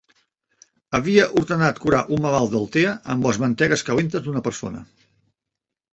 Havia ordenat curar un malalt d’Altea amb les mantegues calentes d’una persona.